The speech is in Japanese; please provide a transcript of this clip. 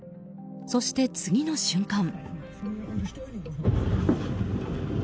そして、次の瞬間。